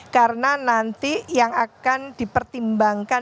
karena nanti yang akan dipertimbangkan